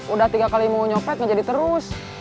udah tiga kali mau nyopet menjadi terus